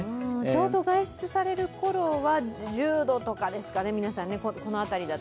ちょうど外出されるころは１０度とかですかね